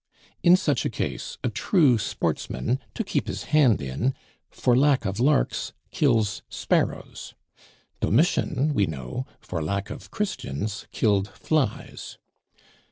In such a case a true sportsman, to keep his hand in, for lack of larks kills sparrows. Domitian, we know, for lack of Christians, killed flies.